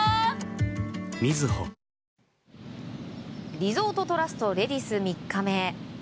リゾートトラストレディス、３日目。